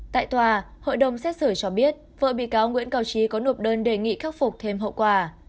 tại tòa hội đồng xét xử cho biết vợ bị cáo nguyễn cao trí có nộp đơn đề nghị khắc phục thêm hậu quả